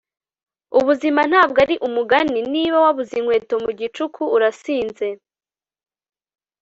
ubuzima ntabwo ari umugani. niba wabuze inkweto mu gicuku, urasinze